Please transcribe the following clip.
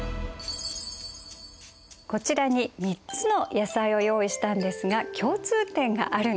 こちらに３つの野菜を用意したんですが共通点があるんです。